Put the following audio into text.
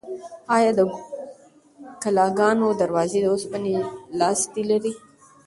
ایا د کلاګانو دروازې د اوسپنې لاستي لرل؟